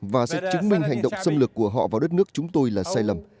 và sẽ chứng minh hành động xâm lược của họ vào đất nước chúng tôi là sai lầm